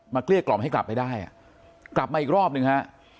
เกลี้ยกล่อมให้กลับไปได้อ่ะกลับมาอีกรอบหนึ่งฮะ